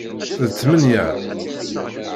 D ttmenya.